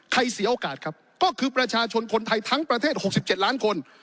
เสียโอกาสครับก็คือประชาชนคนไทยทั้งประเทศ๖๗ล้านคน